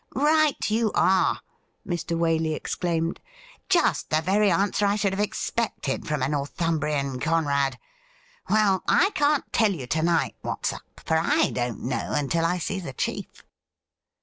' Right you are !' Mr. Waley exclaimed. ' Just the very answer I should have expected from a Northumbrian Conrad. Well, I can't tell you to night what's up, for I don't know until I see the chief.'